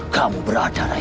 kamu berada rai